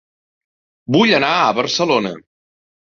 Vull anar a Barcelona